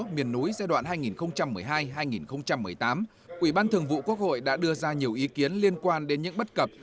miền núi giai đoạn hai nghìn một mươi hai hai nghìn một mươi tám ủy ban thường vụ quốc hội đã đưa ra nhiều ý kiến liên quan đến những bất cập